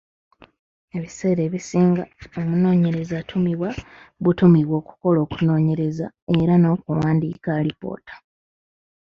Ebiseera ebisinga, omunoonyereza atumibwa butumibwa okukola okunoonyeereza era n'okuwandiika alipoota.